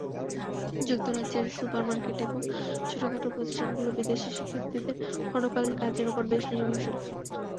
যুক্তরাজ্যের সুপারমার্কেট এবং ছোটখাটো প্রতিষ্ঠানগুলো বিদেশি শিক্ষার্থীদের খণ্ডকালীন কাজের ওপর বেশ নির্ভরশীল।